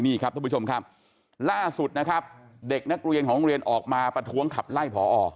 นี่ครับท่านผู้ชมครับล่าสุดนะครับเด็กนักเรียนของโรงเรียนออกมาประท้วงขับไล่พอ